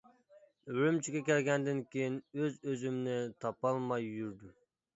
ئۈرۈمچىگە كەلگەندىن كېيىن ئۆز ئۆزۈمنى تاپالماي يۈردۈم.